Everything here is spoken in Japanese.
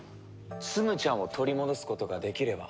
ツムちゃんを取り戻すことができれば。